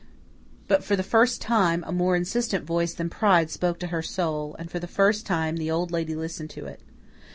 But, for the first time, a more insistent voice than pride spoke to her soul and, for the first time, the Old Lady listened to it.